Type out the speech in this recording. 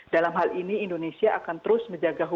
dalam hal ini indonesia akan terus menjaga